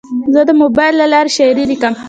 زه د موبایل له لارې شاعري لیکم.